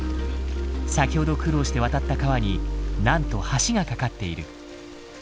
先ほど苦労して渡った川になんと橋が架かっている。